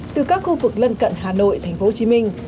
từ các khu vực lân cận hà nội tp hcm